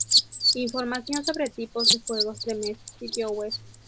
Información sobre tipos de juegos de mesa, sitio web